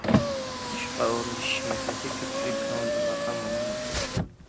ئىشقا ئورۇنلىشىش مەسىلىسى كۆپچىلىك كۆڭۈل بۆلۈۋاتقان مۇھىم مەسىلە.